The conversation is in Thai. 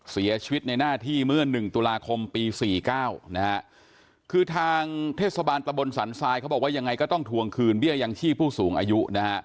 เสียชีวิตในหน้าที่เมื่อ๑ตุลาคมปี๔๙นะฮะ